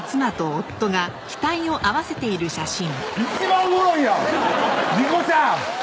一番おもろいやん理子ちゃん！